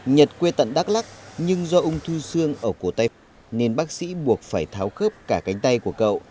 nhật quê tận đắk lắc nhưng do ung thư xương ở cổ tay nên bác sĩ buộc phải tháo khớp cả cánh tay của cậu